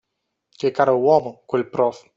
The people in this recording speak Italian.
Che caro uomo, quel prof.